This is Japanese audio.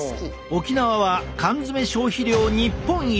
沖縄は缶詰消費量日本一！